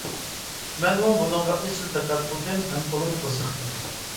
مەنمۇ بۇنىڭغا ئىزچىل دىققەت قىلدىم ھەم تولىمۇ قىزىقتىم.